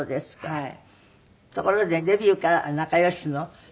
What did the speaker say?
はい。